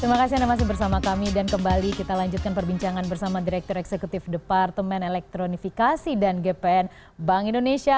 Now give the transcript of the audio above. terima kasih anda masih bersama kami dan kembali kita lanjutkan perbincangan bersama direktur eksekutif departemen elektronifikasi dan gpn bank indonesia